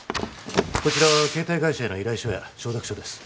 こちらは携帯会社への依頼書や承諾書です